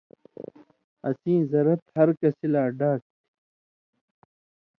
اسیں زرت ہر کسی لا ڈاگ تھی۔